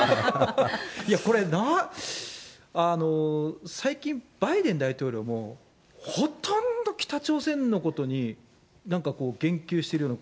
いやこれ、最近、バイデン大統領もほとんど北朝鮮のことに、なんかこう、言及しているような。